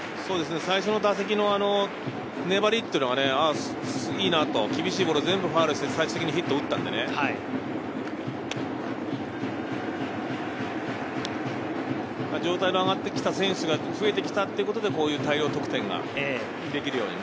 最初の打席の粘りっていうのがいいな、厳しいボールを全部ファウルにして最終的にヒットを打ったんでね、状態が上がってきた選手が増えてきたっていうことで大量得点ができるように。